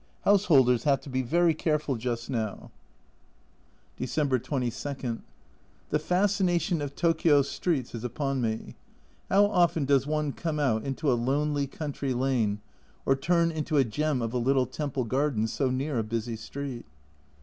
Householders have to be very careful just now. (c 128) G 82 A Journal from Japan December 22. The fascination of Tokio streets is upon me. How often does one come out into a lonely country lane, or turn into a gem of a little temple garden so near a busy street